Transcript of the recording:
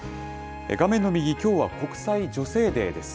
画面の右、きょうは国際女性デーです。